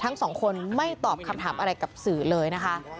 ทั้งสองคนไม่ตอบคำถามอะไรกับสื่อเลยนะคะ